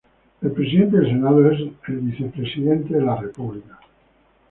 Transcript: El presidente del Senado es el Vicepresidente de la República.